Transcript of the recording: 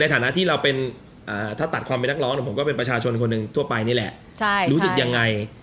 ในฐานะที่เราถาดความเป็นนักร้องผมก็เป็นประชาชนคนตัวไปนี่แหละ